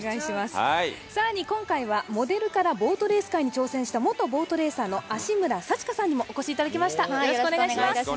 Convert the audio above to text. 更に今回はモデルからボートレース界に挑戦した元ボートレーサーの芦村幸香さんにもお越しいただきました。